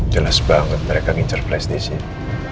jelas banget mereka ngincer flash disini